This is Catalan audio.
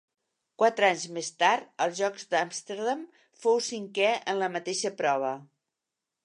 Quatre anys més tard, als Jocs d'Amsterdam, fou cinquè en la mateixa prova.